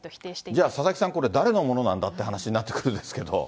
じゃあ、佐々木さん、これは誰のものなんだって話になってくるんですけど。